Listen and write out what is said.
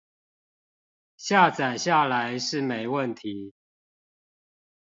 下載下來是沒問題